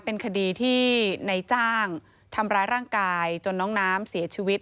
เป็นคดีที่ในจ้างทำร้ายร่างกายจนน้องน้ำเสียชีวิต